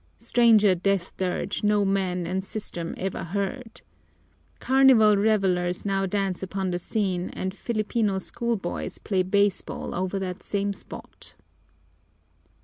Stranger death dirge no man and system ever had. Carnival revelers now dance about the scene and Filipino schoolboys play baseball over that same spot.